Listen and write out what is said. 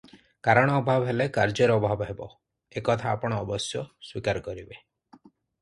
କାରଣ ଅଭାବ ହେଲେ କାର୍ଯ୍ୟର ଅଭାବ ହେବ, ଏ କଥା ଆପଣ ଅବଶ୍ୟ ସ୍ୱୀକାର କରିବେ ।